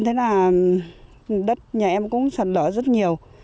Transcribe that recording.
thế là đất nhà em cũng sạt đỡ rất nhiều